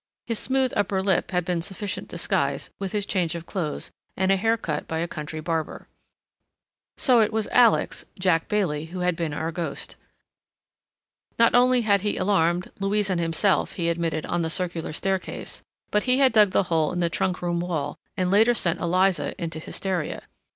His smooth upper lip had been sufficient disguise, with his change of clothes, and a hair cut by a country barber. So it was Alex, Jack Bailey, who had been our ghost. Not only had he alarmed—Louise and himself, he admitted—on the circular staircase, but he had dug the hole in the trunk room wall, and later sent Eliza into hysteria.